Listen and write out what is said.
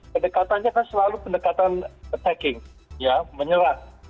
pendekatannya kan selalu pendekatan menyerah